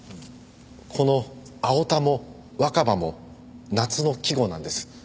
この「青田」も「若葉」も夏の季語なんです。